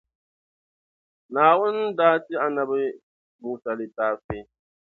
Naawuni daa ti Annabi Musa litaafi